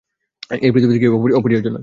এই পৃথিবীতে কেউই অপরিহার্য নয়।